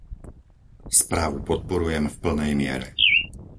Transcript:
Správu podporujem v plnej miere.